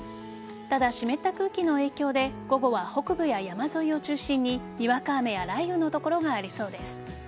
ただ、湿った空気の影響で午後は北部や山沿いを中心ににわか雨や雷雨の所がありそうです。